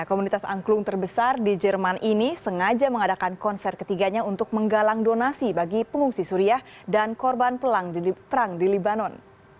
komunitas angklung terbesar di jerman ini sengaja mengadakan konser ketiganya untuk menggalang donasi bagi pengungsi suriah dan korban pelang perang di libanon